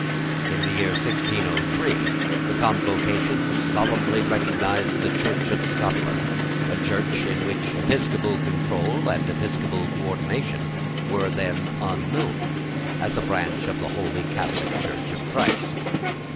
In the year 1603, the Convocation solemnly recognised the Church of Scotland, a Church in which episcopal control and episcopal ordination were then unknown, as a branch of the Holy Catholic Church of Christ.